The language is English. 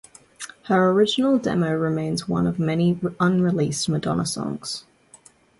Her original demo remains one of many unreleased Madonna songs.